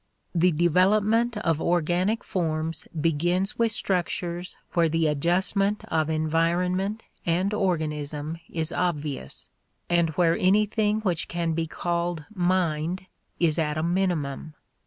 The development of organic forms begins with structures where the adjustment of environment and organism is obvious, and where anything which can be called mind is at a minimum.